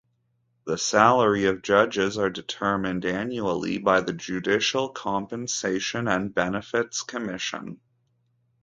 The salary of judges are determined annually by the Judicial Compensation and Benefits Commission.